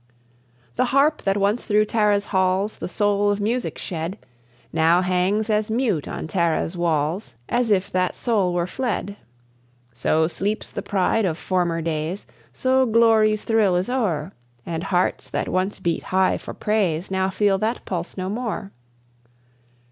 The harp that once through Tara's halls The soul of music shed, Now hangs as mute on Tara's walls As if that soul were fled. So sleeps the pride of former days, So glory's thrill is o'er, And hearts, that once beat high for praise, Now feel that pulse no more.